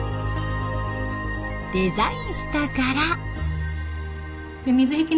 デザインした柄。